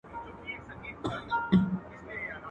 د مینانو د لښکرو قدر څه پیژني.